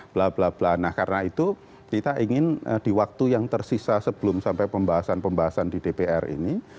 bla bla bla nah karena itu kita ingin di waktu yang tersisa sebelum sampai pembahasan pembahasan di dpr ini